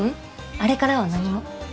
あれからは何も。